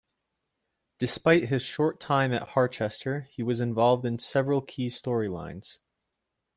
Despite his short time at Harchester, he was involved in several key storylines.